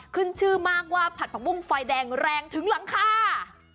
ขึ้นชื่อมากว่าผัดผักบุ้งไฟแดงแรงถึงหลังคา